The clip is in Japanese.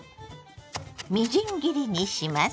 みじん切りにします。